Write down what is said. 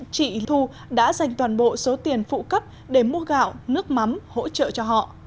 chị thu đã dành toàn bộ số tiền phụ cấp để mua gạo nước mắm hỗ trợ cho họ